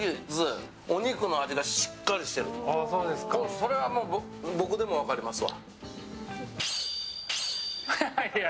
それは僕でも分かりますわ。